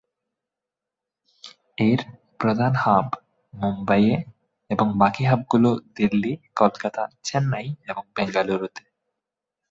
এর প্রধান হাব মুম্বাই এ এবং বাকি হাব গুলো দিল্লি, কলকাতা, চেন্নাই এবং বেঙ্গালুরুতে।